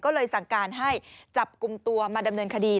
ก็เลยสั่งการให้จับกลุ่มตัวมาดำเนินคดี